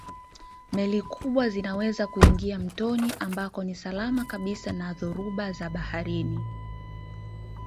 Meli kubwa zinaweza kuingia mtoni ambako ni salama kabisa na dhoruba za baharini.